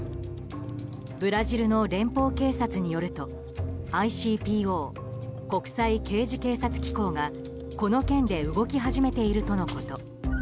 ブラジルの連邦警察によるとＩＣＰＯ・国際刑事警察機構がこの件で動き始めているとのこと。